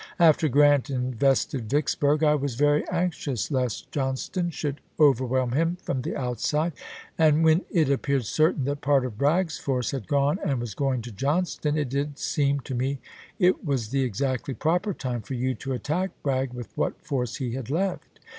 .. After Grant invested Vicksburg I was very anxious lest John ston should overwhelm him from the outside, and when it appeared certain that part of Bragg's force had gone and was going to Johnston, it did seem to me it was the exactly proper time for you to attack Bragg with what force he had left.